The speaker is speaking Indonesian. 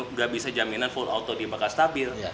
nggak bisa jaminan full auto di bakal stabil